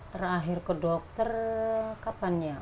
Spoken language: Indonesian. terakhir ke dokter kapan ya